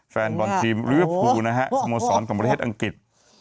แฟนบอลทีมเรื้อผู้นะฮะสมสรรค์ของประเทศอังกฤษ